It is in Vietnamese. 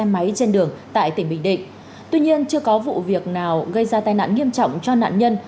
xe máy trên đường tại tỉnh bình định tuy nhiên chưa có vụ việc nào gây ra tai nạn nghiêm trọng cho nạn nhân